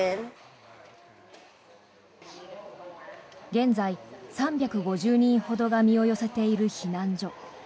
現在、３５０人ほどが身を寄せている避難所。